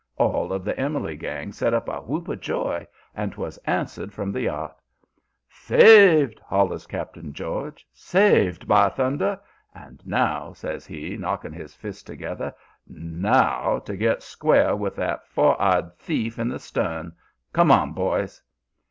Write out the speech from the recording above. All of the Emily gang set up a whoop of joy, and 'twas answered from the yacht. "'Saved!' hollers Cap'n George. 'Saved, by thunder! And now,' says he, knocking his fists together, 'NOW to get square with that four eyed thief in the stern! Come on, boys!'